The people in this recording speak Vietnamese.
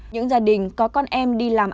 những gia đình có con em đi làm việc